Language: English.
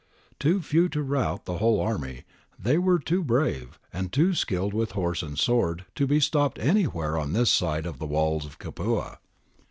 Too few to rout the whole army, they were too brave, and too skilled with horse and sword, to be stopped anywhere on this side the walls of Capua.